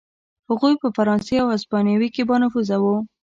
هغوی په فرانسې او هسپانیې کې بانفوذه و.